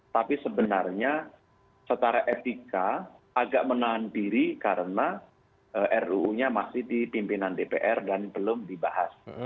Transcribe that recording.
tapi sebenarnya secara etika agak menahan diri karena ruu nya masih di pimpinan dpr dan belum dibahas